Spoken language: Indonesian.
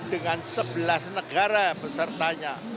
dengan sebelas negara besertanya